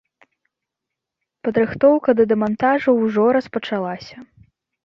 Падрыхтоўка да дэмантажу ўжо распачалася.